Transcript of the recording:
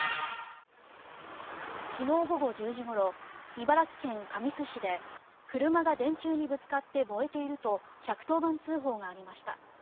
昨日午後１０時ごろ茨城県神栖市で車が電柱にぶつかって燃えていると１１０番通報がありました。